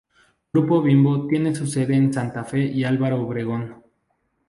Grupo Bimbo tiene su sede en Santa Fe y Álvaro Obregón.